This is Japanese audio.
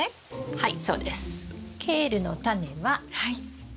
はい。